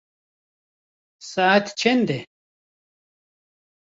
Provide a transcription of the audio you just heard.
Saet çend e?